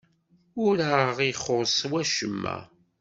Ur aɣ-ixuṣṣ wacemma.